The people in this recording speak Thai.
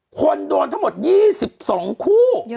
คนโดนทั้งหมด๒๒คู่